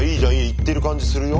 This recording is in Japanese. いってる感じするよ。